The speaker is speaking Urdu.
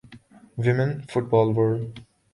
women football world